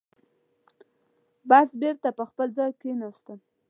بس بېرته پر خپل ځای کېناستم.